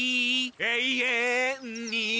「永遠に」